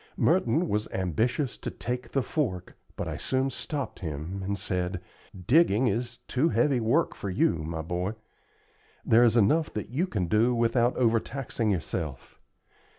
Merton was ambitious to take the fork, but I soon stopped him, and said: "Digging is too heavy work for you, my boy. There is enough that you can do without overtaxing yourself.